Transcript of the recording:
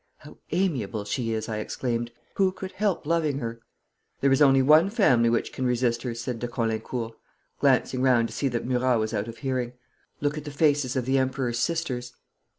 'How amiable she is!' I exclaimed. 'Who could help loving her?' 'There is only one family which can resist her,' said de Caulaincourt, glancing round to see that Murat was out of hearing. 'Look at the faces of the Emperor's sisters.'